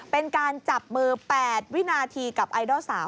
เป็นการจับมือ๘วินาทีกับไอดอลสาว